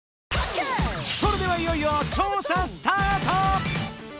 それではいよいよ調査スタート！